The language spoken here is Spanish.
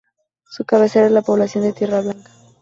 Su cabecera es la población de Tierra Blanca.